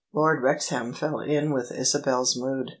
Lord Wrexham fell in with Isabel's mood.